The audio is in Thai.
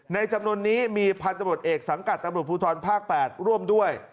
จำนวนนี้มีพันธบทเอกสังกัดตำรวจภูทรภาค๘ร่วมด้วย